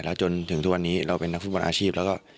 แล้วจนถึงทุกวันนี้เราเป็นนักฟุตบอลอาชีพแล้วก็